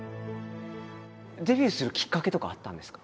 デビューするきっかけとかはあったんですか？